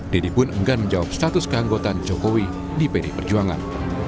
deddy pun enggan menjawab status keanggotaan jokowi di pdi perjuangan